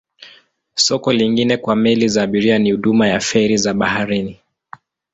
Soko lingine kwa meli za abiria ni huduma ya feri za baharini.